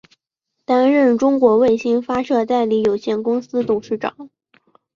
担任中国卫星发射代理有限公司董事长。